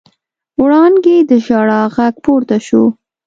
وړانګې د ژړا غږ پورته شو.